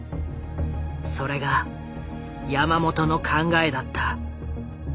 それが山本の考えだった。